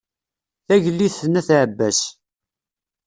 Tagliḍt n at ɛebbas